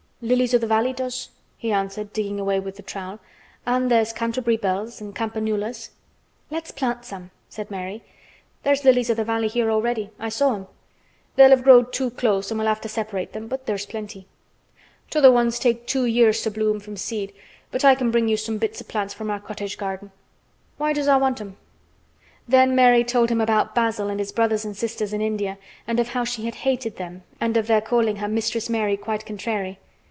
"Lilies o' th' valley does," he answered, digging away with the trowel, "an' there's Canterbury bells, an' campanulas." "Let's plant some," said Mary. "There's lilies o' th, valley here already; I saw 'em. They'll have growed too close an' we'll have to separate 'em, but there's plenty. Th' other ones takes two years to bloom from seed, but I can bring you some bits o' plants from our cottage garden. Why does tha' want 'em?" Then Mary told him about Basil and his brothers and sisters in India and of how she had hated them and of their calling her "Mistress Mary Quite Contrary."